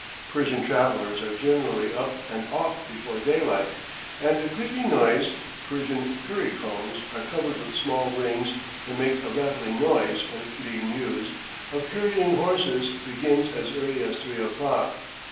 Persian travellers are generally up and off before daylight, and the clicking noise (Persian curry combs are covered with small rings that make a rattling noise when being used) of currying horses begins as early as three o'clock.